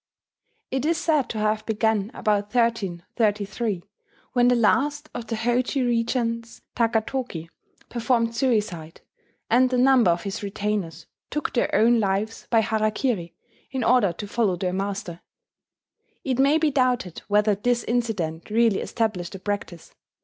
It is said to have begun about 1333, when the last of the Hojo regents, Takatoki, performed suicide, and a number of his retainers took their own lives by harakiri, in order to follow their master. It may be doubted whether this incident really established the practice.